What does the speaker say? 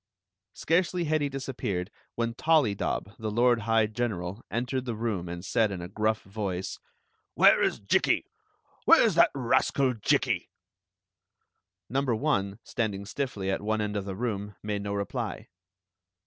Scarcely had he disappeared when ToUydob, the lord high general, entered the room and said in a gruff voice: " Where is Jikki ? Where s that rascal Jikki ?" Number one, standing stiffly at one end of the room, made no reply.